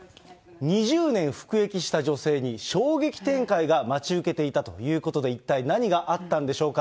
２０年服役した女性に衝撃展開が待ち受けていたということで、一体何があったんでしょうか。